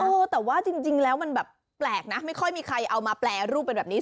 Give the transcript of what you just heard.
เออแต่ว่าจริงแล้วมันแบบแปลกนะไม่ค่อยมีใครเอามาแปรรูปเป็นแบบนี้